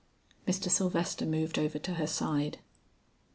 Mr. Sylvester moved over to her side.